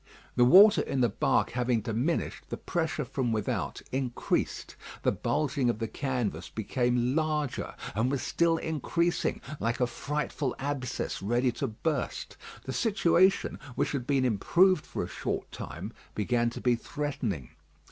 The water in the bark having diminished, the pressure from without increased. The bulging of the canvas became larger, and was still increasing, like a frightful abscess ready to burst. The situation, which had been improved for a short time, began to be threatening.